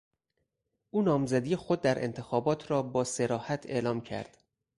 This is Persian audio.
او نامزدی خود در انتخابات را با صراحت اعلام کرد.